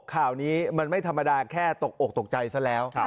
ข่าวนี้มันไม่ธรรมดาแค่ตกอกตกใจซะแล้ว